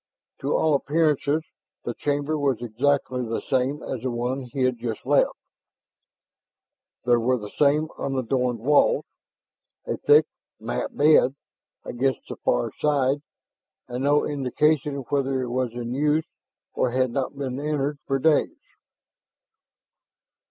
To all appearances the chamber was exactly the same as the one he had just left; there were the same unadorned walls, a thick mat bed against the far side, and no indication whether it was in use or had not been entered for days.